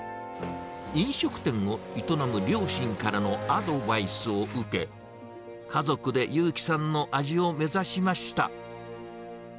飲食店を営む両親からのアドバイスを受け、家族で優樹さんの味を目指しました。